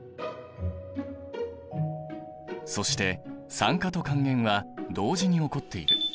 そして酸化と還元は同時に起こっている。